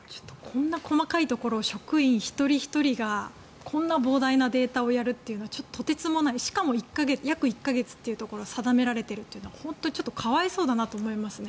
こんな細かいところを職員一人ひとりがこんな膨大なデータをやるというのはとてつもない、しかも約１か月と定められているのは本当にちょっと可哀想だなと思いますね。